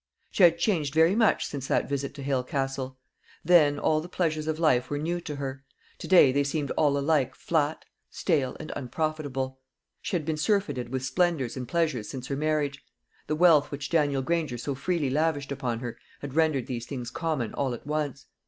She had changed very much since that visit to Hale Castle. Then all the pleasures of life were new to her to day they seemed all alike flat, stale, and unprofitable. She had been surfeited with splendours and pleasures since her marriage. The wealth which Daniel Granger so freely lavished upon her had rendered these things common all at once.